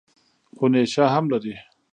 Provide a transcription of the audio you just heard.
خو نېشه هم لري.